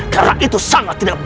karena itu sangat tidak baik